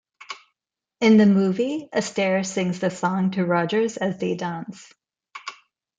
In the movie, Astaire sings the song to Rogers as they dance.